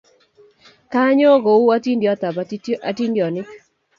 Kanyo ko u atindiot ab atindonik